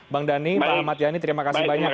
bang dhani pak ahmad yani terima kasih banyak